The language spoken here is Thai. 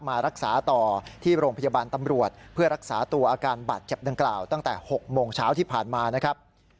มารักษาต่อที่โรงพยาบาลตำรวจเพื่อรักษาตัวอาการบาดเจ็บดังกล่าวตั้งแต่๖โมงเช้าที่ผ่านมานะครับ